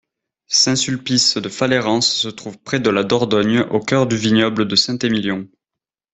Saint-Sulpice-de-Faleyrens se trouve près de la Dordogne, au cœur du vignoble de Saint-Émilion.